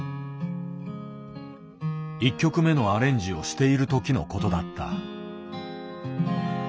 １曲目のアレンジをしているときのことだった。